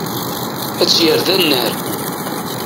Ad tt-yerr d annar.